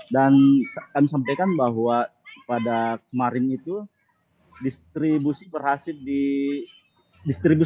kami sampaikan bahwa pada kemarin itu distribusi berhasil didistribusikan